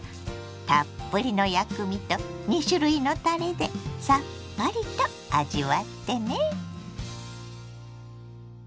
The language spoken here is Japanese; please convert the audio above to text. たっぷりの薬味と２種類のたれでさっぱりと味わってね。